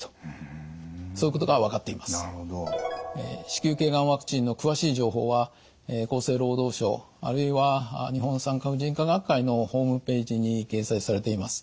子宮頸がんワクチンの詳しい情報は厚生労働省あるいは日本産科婦人科学会のホームページに掲載されています。